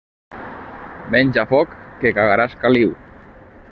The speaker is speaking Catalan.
Menja foc, que cagaràs caliu.